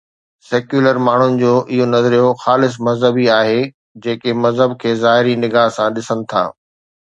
Secular ماڻهن جو اهو نظريو خالص مذهبي آهي، جيڪي مذهب کي ظاهري نگاه سان ڏسن ٿا.